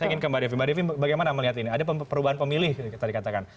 saya ingin ke mbak devi mbak devi bagaimana melihat ini ada perubahan pemilih tadi katakan